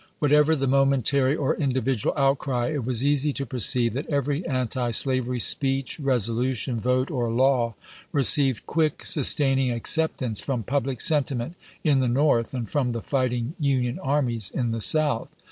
Whatever the momentary or individual outcry, it was easy to perceive that every antislavery speech, resolution, vote, or law received quick sustaining acceptance from public sentiment in the North and from the fighting Union armies in the South.